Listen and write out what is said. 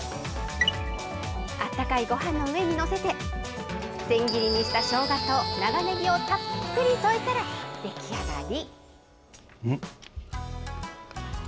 あったかいごはんの上に載せて、千切りにしたしょうがと、長ねぎをたっぷり添えたら出来上がり。